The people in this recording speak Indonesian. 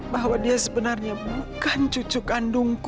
bahwa dia sebenarnya bukan cucu kandungku